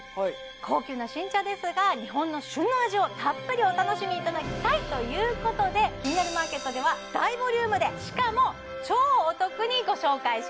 高級な新茶ですが日本の旬の味をたっぷりお楽しみいただきたいということで「キニナルマーケット」では合計急に？